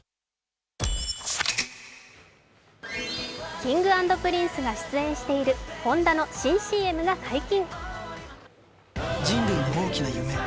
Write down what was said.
Ｋｉｎｇ＆Ｐｒｉｎｃｅが出演しているホンダの新ＣＭが解禁。